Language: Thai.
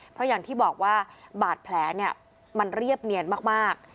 เพราะอย่างที่บอกว่าบาดแผลเนี่ยมันเรียบเนียนมาก